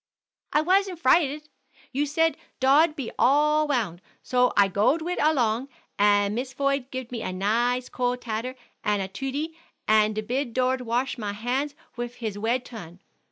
"I wasn't frighted. You said Dod be'd all wound, so I goed wite alon, and Mis Foyd gived me a nice cold tater, and a tootie, and the bid dord washed my hands wif his wed tun."